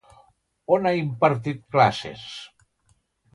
On ha impartit classes?